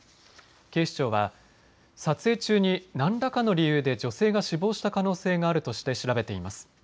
警視庁は撮影中に何らかの理由で女性が死亡した可能性があるとして調べています。